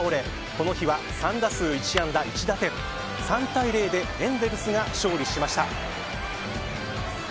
この日は、３打数１安打１打点３対０でエンゼルスが勝利しました。